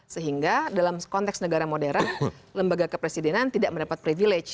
sehingga dalam konteks negara modern lembaga kepresidenan tidak mendapat privilege